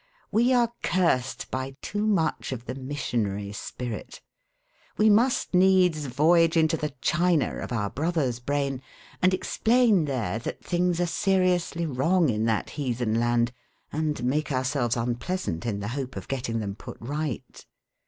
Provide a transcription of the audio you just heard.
We are cursed by too much of the missionary spirit. We must needs voyage into the China of our brother's brain, and explain there that things are seriously wrong in that heathen land, and make ourselves unpleasant in the hope of getting them put right.